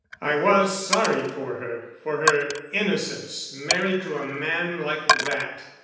"I was sorry for her—for her innocence, married to a man like that.